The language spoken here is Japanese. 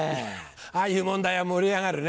ああいう問題は盛り上がるね。